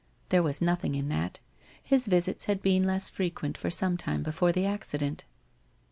There was nothing in that. His visits had been less frequent, for some time before the accident.